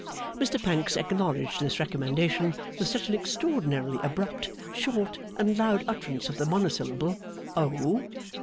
Mr Pancks acknowledged this recommendation with such an extraordinarily abrupt, short, and loud utterance of the monosyllable 'Oh!